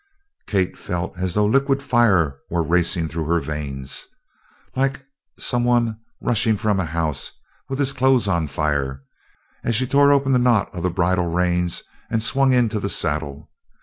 Kate felt as though liquid fire were racing through her veins, like some one rushing from a house with his clothes on fire, as she tore open the knot of the bridle reins and swung into the saddle.